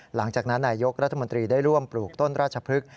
หลังจากนั้นนายยกรัฐมนตรีได้ร่วมปลูกต้นราชพฤกษ